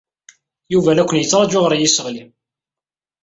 Yuba la ken-yettṛaju ɣer yiseɣli.